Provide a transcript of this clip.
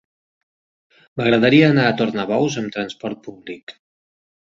M'agradaria anar a Tornabous amb trasport públic.